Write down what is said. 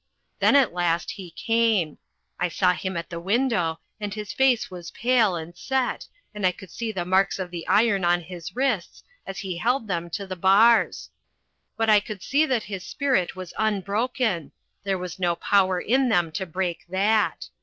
Then at last he came. I saw him at the window and his face was pale and set and I could see the marks of the iron on his wrists as he held them to the bars. But I could see that his spirit was unbroken. There was no power in them to break that.